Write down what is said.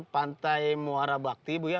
pantai muara bakti bu ya